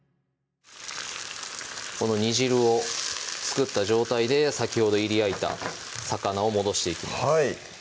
この煮汁を作った状態で先ほどいり焼いた魚を戻していきます